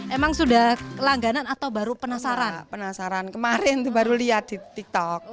emang sudah langganan atau baru penasaran penasaran kemarin tuh baru lihat di tiktok